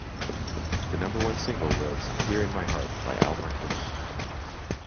The number-one single was "Here in My Heart" by Al Martino.